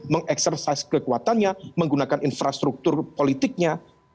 mengeksersai kekuatannya menggunakan infrastruktur politiknya